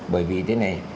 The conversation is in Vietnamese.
bởi vì thế này